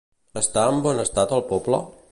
Està en bon estat el poble?